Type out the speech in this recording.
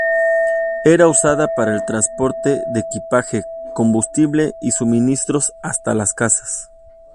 Era usada para el transporte de equipaje, combustible y suministros hasta las casas.